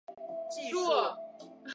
参见匿名点对点技术。